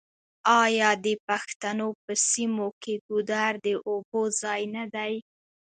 آیا د پښتنو په سیمو کې ګودر د اوبو ځای نه دی؟